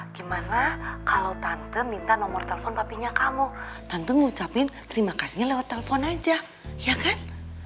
gimana kalau tante minta nomor telepon tapinya kamu tante ngucapin terima kasihnya lewat telepon aja ya kan